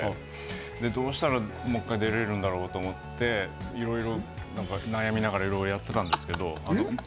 どうやったら、もう１回出られるんだろうということで、悩みながらいろいろやっていたんですけど。